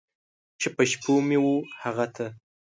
چې په شپو مې و هغه ته!